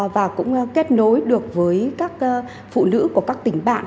và cũng kết nối được với các phụ nữ của các tỉnh bạn